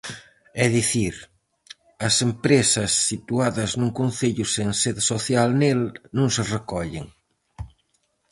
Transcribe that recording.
É dicir, as empresas situadas nun concello sen sede social nel, non se recollen.